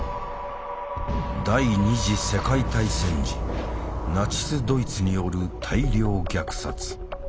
第二次世界大戦時ナチス・ドイツによる大量虐殺。